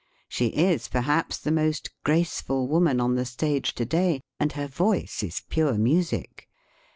She is perhaps the most grace ful woman on the stage to day, and her voice is pure music.